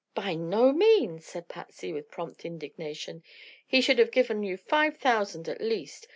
"By no means," said Patsy, with prompt indignation. "He should have given you five thousand, at least.